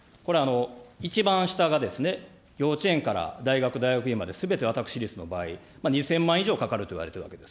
一番下が、幼稚園から大学、大学院まで、すべて私立の場合、２０００万円以上かかるといわれているわけです。